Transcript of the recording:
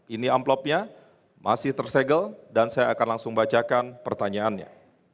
ini amplopnya masih tersegel dan saya akan langsung bacakan pertanyaannya